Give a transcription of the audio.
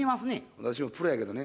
私もプロやけどね